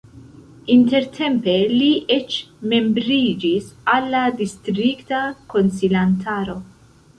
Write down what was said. Intertempe li eĉ membriĝis al la distrikta konsilantaro.